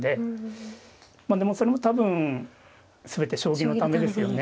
でもそれも多分全て将棋のためですよね。